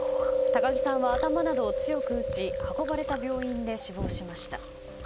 高木さんは頭などを強く打ち運ばれた病院で死亡しました。